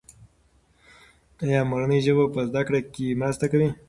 ایا مورنۍ ژبه په زده کړه کې مرسته کوي؟